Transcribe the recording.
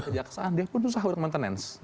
kejaksaan dia pun susah untuk maintenance